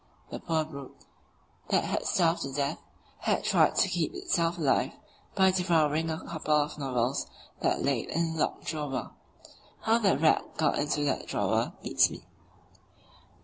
The poor brute, that had starved to death, had tried to keep itself alive by devouring a couple of novels that lay in a locked drawer. How the rat got into that drawer beats me.